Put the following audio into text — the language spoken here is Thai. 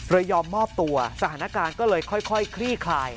ยอมมอบตัวสถานการณ์ก็เลยค่อยคลี่คลาย